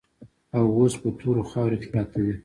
او اوس په تورو خاورو کې پراته دي.